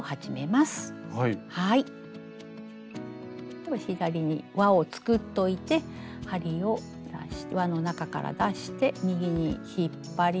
では左に輪を作っといて針を輪の中から出して右に引っ張ります。